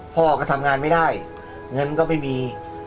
พ่อก็ทำงานไม่ได้เงินก็ไม่มี